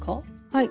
はい。